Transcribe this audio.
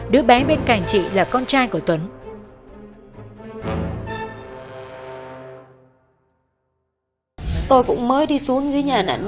đứa bé bên cạnh chị là con trai của tuấn